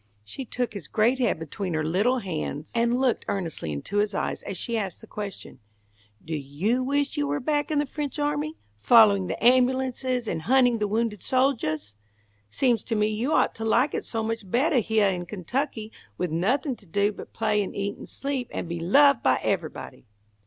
She took his great head between her little hands and looked earnestly into his eyes as she asked the question. "Do you wish you were back in the French army, following the ambulances and hunting the wounded soldiahs? Seems to me you ought to like it so much bettah heah in Kentucky, with, nothing to do but play and eat and sleep, and be loved by everybody."